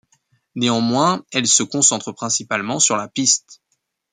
Néanmoins, elle se concentre principalement sur la piste.